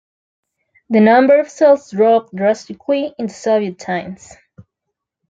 The number of cells dropped drastically in the Soviet times.